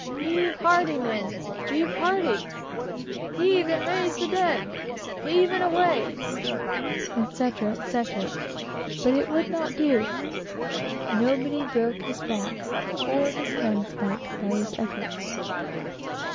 "Heave hearty, men! heave hearty!" "Heave and raise the dead!" "Heave, and away!" etc., etc.; but it would not do. Nobody broke his back or his hand spike by his efforts.